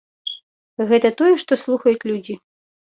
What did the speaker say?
Гэта тое, што слухаюць людзі.